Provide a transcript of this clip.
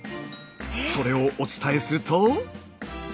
それをお伝えすると。